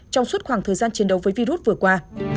trong suốt khoảng thời gian chiến đấu với virus vừa qua